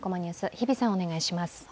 日比さん、お願いします。